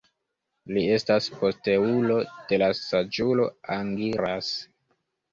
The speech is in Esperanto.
Li estas posteulo de la saĝulo Angiras.